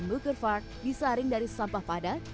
muker vart disaring dari sampah padat